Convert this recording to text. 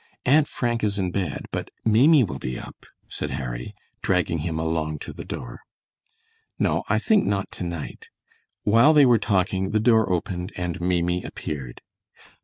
Aunt Frank is in bed, but Maimie will be up," said Harry, dragging him along to the door. "No, I think not to night." While they were talking the door opened and Maimie appeared.